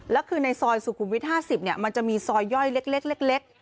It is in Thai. แล้วคือในซอยสุขุมวิท๕๐มันจะมีซอยย่อยเล็ก